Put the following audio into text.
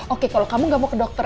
oke kalau kamu gak mau ke dokter